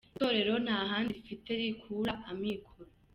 Itorero nta handi rifite rikura amikoro”.